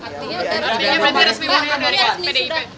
pak ardi sudah resmi mundur dari pdip